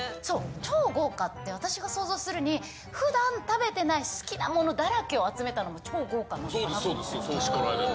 超豪華って、私が想像するに、ふだん食べてない好きなものだらけを集めたのも超豪華かなとそれしかないですよね。